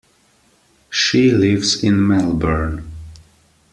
She lives in Melbourne.